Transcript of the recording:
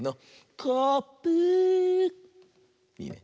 いいね。